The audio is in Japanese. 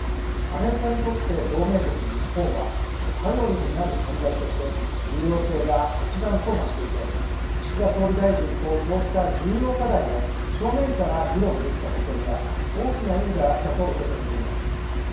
アメリカにとって同盟国、日本は頼りになる存在として重要性が一段と増していて、岸田総理大臣とそうした重要課題を正面から議論できたことには、大きな意味があったと受け止めています。